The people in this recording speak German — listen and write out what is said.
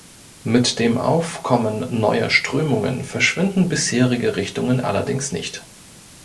Mit dem Aufkommen neuer Strömungen verschwinden bisherige Richtungen allerdings nicht.